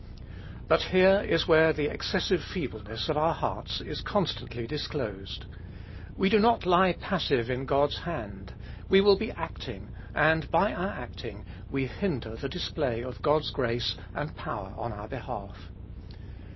But here is where the excessive feebleness of our hearts is constantly disclosed. We do not lie passive in God's hand; we will be acting; and, by our acting, we hinder the display of God's grace and power on our behalf.